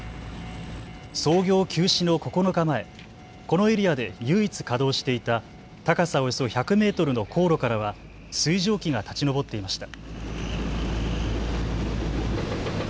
操業休止の９日前、このエリアで唯一稼働していた高さおよそ１００メートルの高炉からは水蒸気が立ち上っていました。